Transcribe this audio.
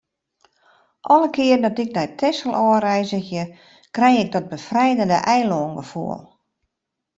Alle kearen dat ik nei Texel ôfreizgje, krij ik dat befrijende eilângefoel.